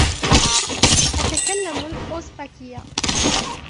أتكلم الأوزبكية.